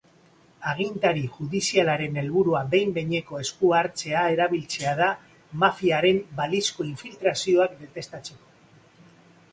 Agintari judizialen helburua behin-behineko esku hartzea erabiltzea da mafiaren balizko infiltrazioak detektatzeko.